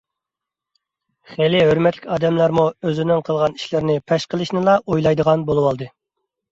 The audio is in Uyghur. خېلى ھۆرمەتلىك ئادەملەرمۇ ئۆزىنىڭ قىلغان ئىشلىرىنى پەش قىلىشنىلا ئويلايدىغان بولۇۋالدى.